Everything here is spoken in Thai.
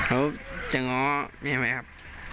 เขาจะง้อแม่ไหมครับ